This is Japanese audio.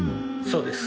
そうです。